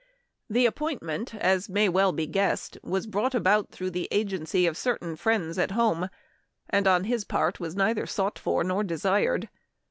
This appointment, as may well be guessed, was brought about through the agency of cer tain friends at home, and on his part was neither sought for nor desired.